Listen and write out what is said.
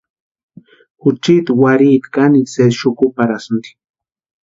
Juchiti warhiti kanekwa sésï xukuparhasïnti.